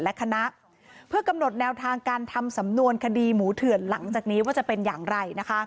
และคณะเพื่อกำหนดแนวทางการทำสำนวนคดีหมูเถื่อนหลังจากนี้ว่าจะเป็นอย่างไรนะคะ